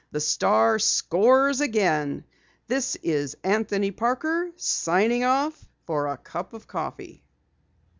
THE STAR SCORES AGAIN. THIS IS ANTHONY PARKER SIGNING OFF FOR A CUP OF COFFEE."